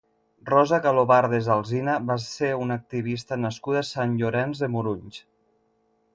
Rosa Galobardes Alsina va ser una activista nascuda a Sant Llorenç de Morunys.